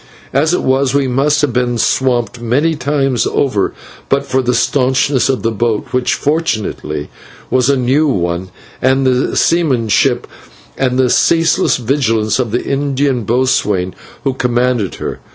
As it was we must have been swamped many times over but for the staunchness of the boat, which, fortunately, was a new one, and the seamanship and ceaseless vigilance of the Indian boatswain who commanded her.